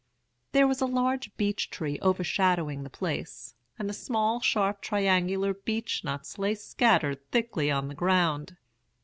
"There was a large beech tree overshadowing the place, and the small, sharp, triangular beech nuts lay scattered thickly on the ground.